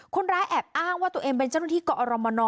คนร้ายแอบอ้างว่าตัวเองเป็นเจ้าหน้าที่กอรมน